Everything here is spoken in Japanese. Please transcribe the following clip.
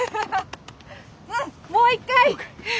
うんもう一回！